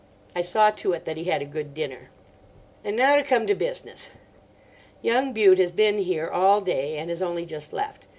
I saw to it that he had a good dinner. "And now to come to business. Young Bute has been here all day, and has only just left.